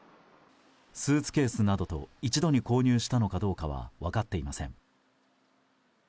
スーツケースなどと一度に購入したのかどうかは分かっていません。